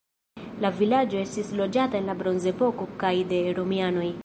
La vilaĝo estis loĝata en la bronzepoko kaj de romianoj.